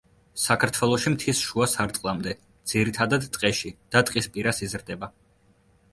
საქართველოში მთის შუა სარტყლამდე, ძირითადად ტყეში და ტყის პირას იზრდება.